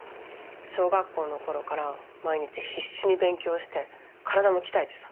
小学校の頃から毎日必死に勉強して体も鍛えてさ。